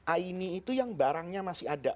aini itu yang barangnya masih ada